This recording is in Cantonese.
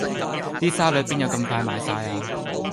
啲沙律邊有咁快賣晒呀